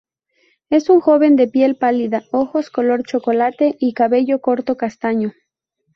Es un joven de piel pálida, ojos color chocolate y cabello corto castaño.